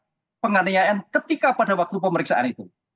itu kan membuktikan ada penganiayaan ketika pada waktu pemeriksaan itu